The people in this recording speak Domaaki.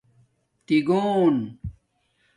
تیگݸن